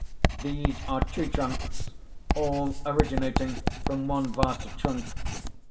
These are tree trunks, all originating from one vast trunk.